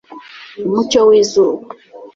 umucyo w'izuba